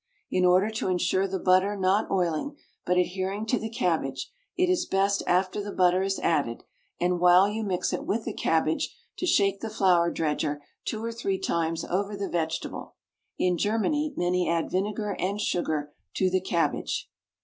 In order to ensure the butter not oiling, but adhering to the cabbage, it is best after the butter is added, and while you mix it with the cabbage, to shake the flour dredger two or three times over the vegetable. In Germany, many add vinegar and sugar to the cabbage.